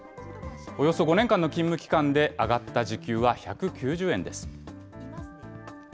およそ５年間の勤務期間で上がった時給は１９０円です。